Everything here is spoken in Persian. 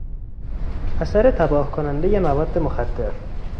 اثر تباه کنندهی مواد مخدر